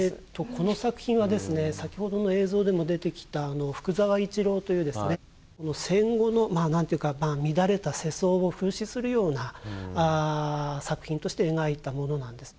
この作品はですね先ほどの映像でも出てきた福沢一郎というですね戦後のまあなんていうか乱れた世相を風刺するような作品として描いたものなんです。